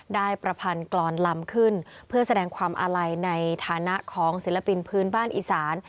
ประพันธ์กรอนลำขึ้นเพื่อแสดงความอาลัยในฐานะของศิลปินพื้นบ้านอีสาน